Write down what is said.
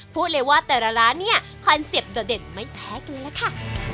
พูดเลยว่าแต่ละร้านเนี่ยคอนเซ็ปต์โดดเด่นไม่แพ้กันเลยล่ะค่ะ